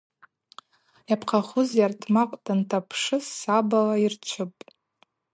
Йапхъахуз йартмакъ дантапшы: сабала йырчвыпӏ.